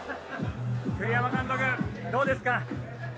栗山監督、どうですか？